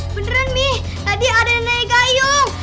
beneran mi tadi ada nenek gayung